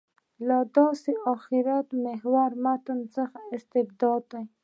له داسې آخرت محوره متن څخه استنباط ده.